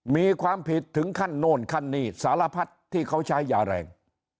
มีความผิดถึงขั้นโน่นขั้นหนี้สารพัดที่เขาใช้ยาแรง